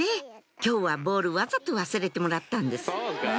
今日はボールわざと忘れてもらったんです